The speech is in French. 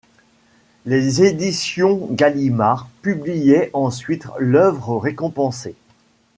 Les éditions Gallimard publiaient ensuite l’œuvre récompensée.